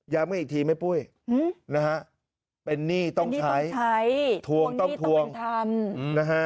ย้ำกันอีกทีไหมปุ้ยนะฮะเป็นหนี้ต้องใช้ถวงหนี้ต้องเป็นทำนะฮะ